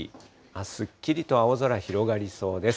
すっきりと青空広がりそうです。